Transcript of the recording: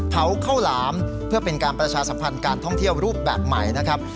เผาข้าวหลามเพื่อเป็นการประชาสัมพันธ์การท่องเที่ยวรูปแบบใหม่นะครับ